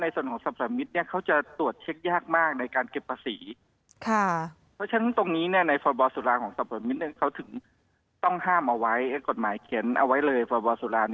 ต้องห้ามเอาไว้กฎหมายเข็นเอาไว้เลยพบสุราเนี่ยว่า